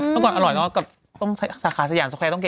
เมื่อก่อนอร่อยมากก็สาขาสยานสแกวร์ต้องเก๋